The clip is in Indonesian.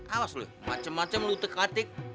awas lo macem macem lutek latik